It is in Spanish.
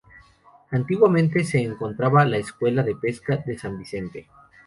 Antiguamente se encontraba la Escuela de Pesca de San Vicente.